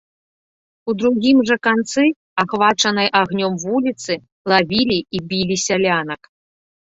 У другім жа канцы ахвачанай агнём вуліцы лавілі і білі сялянак.